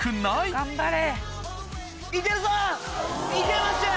頑張れ！